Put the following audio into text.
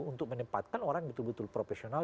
untuk menempatkan orang betul betul profesional